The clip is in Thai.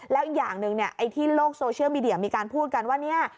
แล้วอีกอย่างนึงที่โลกโซเชียลมีเดียมีการพูดกันว่า